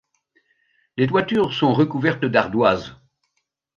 Les toitures sont recouvertes d'ardoises.